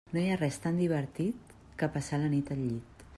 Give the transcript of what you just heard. No hi ha res tan divertit que passar la nit al llit.